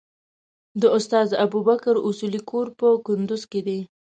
د استاد ابوبکر اصولي کور په کندوز کې دی.